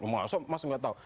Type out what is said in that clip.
masuk masuk nggak tahu